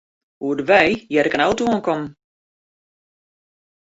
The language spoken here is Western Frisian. Oer de wei hear ik in auto oankommen.